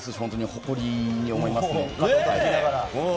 誇りに思います。